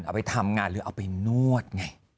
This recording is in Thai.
เอาไปทำงานหรือเอาไปนวดไง